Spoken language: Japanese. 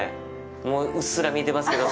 もう、うっすら見えてますけど。